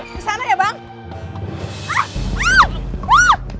kesana ya bang